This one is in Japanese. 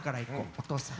お父さん。